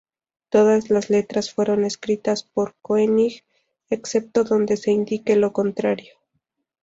Todas las letras fueron escritas por Koenig, excepto donde se indique lo contrario.